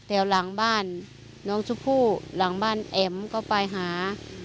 แถวหลังบ้านน้องชุมภูก็ไปหา